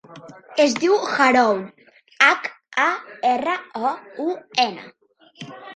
Es diu Haroun: hac, a, erra, o, u, ena.